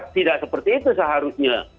tidak seperti itu seharusnya